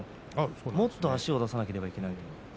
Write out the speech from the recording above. もっと足を出さなければいけないという話です。